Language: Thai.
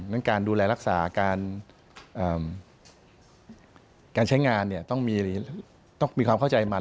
นั้นการดูแลรักษาการใช้งานต้องมีความเข้าใจมัน